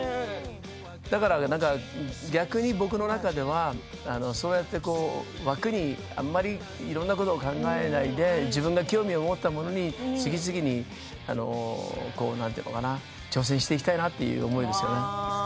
だから逆に僕の中ではそうやって枠にあまりいろんなことを考えないで自分の興味を持ったものに次々に何て言うのかな挑戦していきたいなという思いですね。